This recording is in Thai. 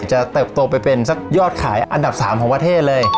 เติบโตไปเป็นสักยอดขายอันดับ๓ของประเทศเลย